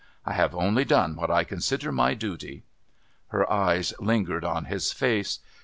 I have only done what I consider my duty." Her eyes lingered on his face.